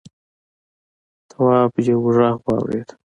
تواب یوه غږ واورېد.